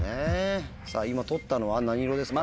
今取ったのは何色ですか？